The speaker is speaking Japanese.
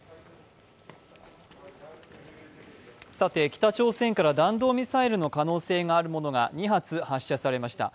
北朝鮮から弾道ミサイルの可能性のあるものが２発、発射されました。